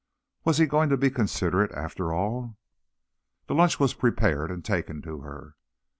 Was he going to be considerate, after all? The lunch was prepared and taken to her.